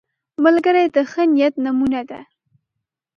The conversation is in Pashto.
ملګری د ښه نیت نمونه ده